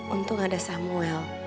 untung ada samuel